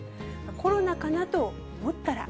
コロナかな？と思ったら。